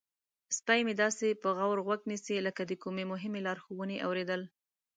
سپی مې داسې په غور غوږ نیسي لکه د کومې مهمې لارښوونې اوریدل.